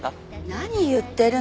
何言ってるの！